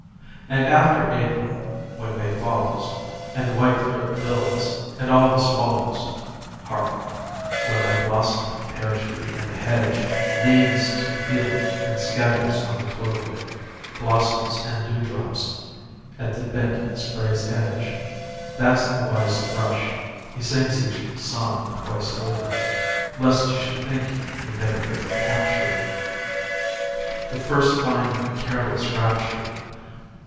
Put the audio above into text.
And after April, when May follows, And the whitethroat builds, and all the swallows! Hark, where my blossomed pear tree in the hedge Leans to the field and scatters on the clover Blossoms and dewdrops at the bent spray's edge That's the wise thrush; he sings each song twice over, Lest you should think he never could recapture The first fine careless rapture!